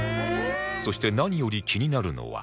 そして何より気になるのは